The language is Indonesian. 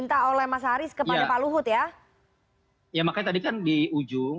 tapi kan di ujung